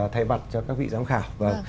thay mặt cho các vị giám khảo